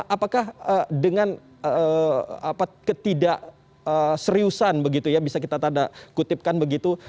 apakah dengan ketidakseriusan begitu ya bisa kita tanda kutipkan begitu